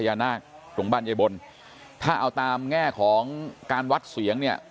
นาคตรงบ้านยายบนถ้าเอาตามแง่ของการวัดเสียงเนี่ย